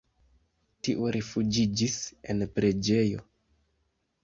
Tiu rifuĝiĝis en preĝejo.